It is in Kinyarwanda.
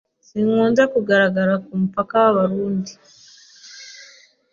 zikunze kugaragara kumupaka wabarundi